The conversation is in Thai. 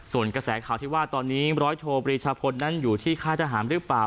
ส่วนกระแสข่าวที่ว่าตอนนี้ร้อยโทปรีชาพลนั้นอยู่ที่ค่ายทหารหรือเปล่า